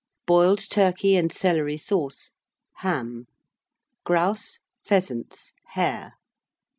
Boiled Turkey and Celery Sauce. Ham. Grouse. Pheasants. Hare.